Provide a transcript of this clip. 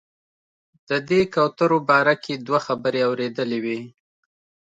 د دې کوترو باره کې دوه خبرې اورېدلې وې.